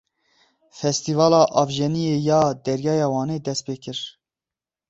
Festîvala Avjeniyê ya Deryaya Wanê dest pê kir.